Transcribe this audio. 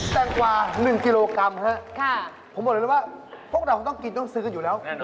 แตงกวา๑กิโลกรัมครับผมบอกเลยว่าพวกเราต้องกินต้องซื้ออยู่แล้วแน่นอน